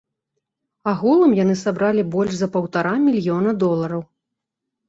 Агулам яны сабралі больш за паўтара мільёна долараў.